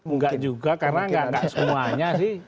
enggak juga karena nggak semuanya sih